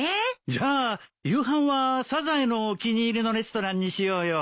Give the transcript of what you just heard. じゃあ夕飯はサザエのお気に入りのレストランにしようよ。